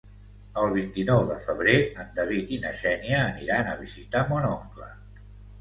El vint-i-nou de febrer en David i na Xènia aniran a visitar mon oncle.